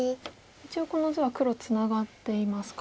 一応この図は黒ツナがっていますか。